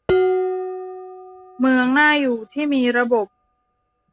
เมืองน่าอยู่ที่มีระบบ